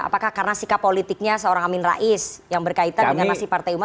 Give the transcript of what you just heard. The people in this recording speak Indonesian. apakah karena sikap politiknya seorang amin rais yang berkaitan dengan nasib partai umat